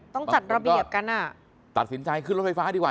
ต้องจัดระเบียบกันอ่ะตัดสินใจขึ้นรถไฟฟ้าดีกว่า